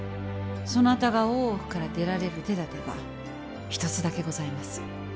そなたが大奥から出られる手だてが一つだけございます。